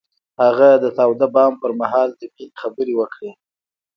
هغه د تاوده بام پر مهال د مینې خبرې وکړې.